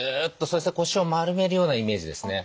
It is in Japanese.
そして腰を丸めるようなイメージですね。